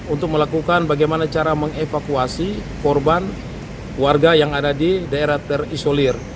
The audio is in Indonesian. untuk melakukan bagaimana cara mengevakuasi korban warga yang ada di daerah terisolir